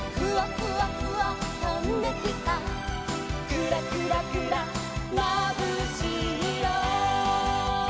「クラクラクラまぶしいよ」